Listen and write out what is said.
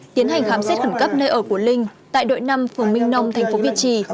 tiến hành khám xét khẩn cấp nơi ở của linh tại đội năm phường minh nông thành phố việt trì